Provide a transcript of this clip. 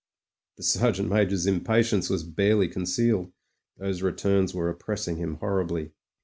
The Sergeant Major's impatience was barely con cealed; those returns were oppressing him horribly.